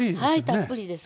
たっぷりです。